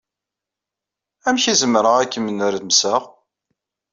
Amek ay zemreɣ ad kem-nermseɣ.